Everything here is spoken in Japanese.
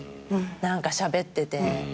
何かしゃべってて。